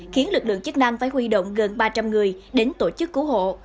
khiến lực lượng chức năng phải huy động gần ba trăm linh người đến tổ chức cứu hộ